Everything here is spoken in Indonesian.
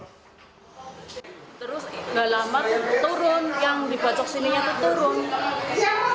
terus tidak lama turun yang dibacok sini turun